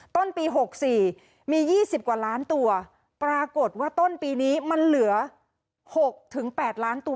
ต้นปี๖๔มี๒๐กว่าล้านตัวปรากฏว่าต้นปีนี้มันเหลือ๖๘ล้านตัว